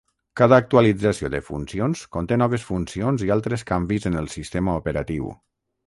Cada actualització de funcions conté noves funcions i altres canvis en el sistema operatiu.